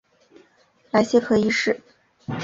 莱谢克一世。